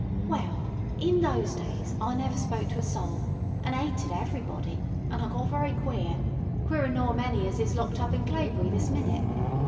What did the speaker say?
Well, in those days, I never spoke to a soul, an' 'ated everybody, an' I got very queer, queerer nor many as is locked up in Claybury this minute.